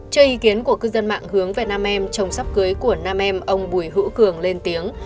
chơi ý kiến của cư dân mạng hướng về nam em trồng sắp cưới của nam em ông bùi hữu cường lên tiếng